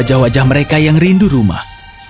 dan juga di wajah wajah mereka yang rindu rumah